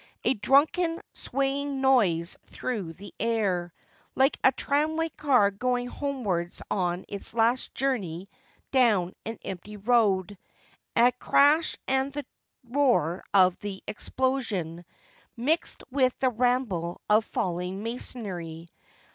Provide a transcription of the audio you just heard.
A drunken, swaying noise through the air, like a tramway car going homewards on its last journey down an empty road, a crash and the roar of the explosion, mixed THE END OF "WIPERS" 59 with the rumble of falling masonry.